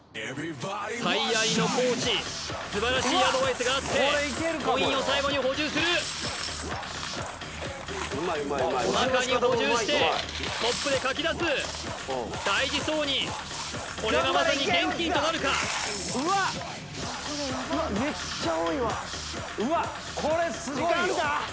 最愛のコーチ素晴らしいアドバイスがあってコインを最後に補充するおなかに補充してスコップでかきだす大事そうにこれがまさに現金となるかうわ